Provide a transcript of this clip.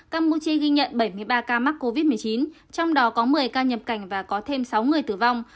campuchia ghi nhận bảy mươi ba ca mắc covid một mươi chín trong đó có một mươi ca nhập cảnh và có thêm sáu người tử vong